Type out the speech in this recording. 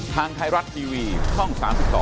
ทางไทยรัฐทีวีช่อง๓๒